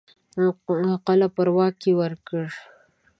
قلعه په واک کې ورکړي.